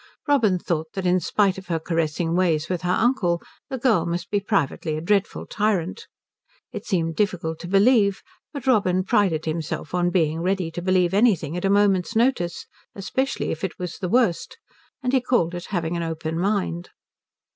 Robin thought that in spite of her caressing ways with her uncle the girl must be privately a dreadful tyrant. It seemed difficult to believe, but Robin prided himself on being ready to believe anything at a moment's notice, especially if it was the worst, and he called it having an open mind.